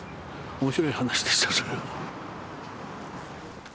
面白い話でしたそれは。